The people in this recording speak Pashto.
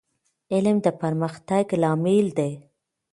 علم د پرمختګ لامل دی.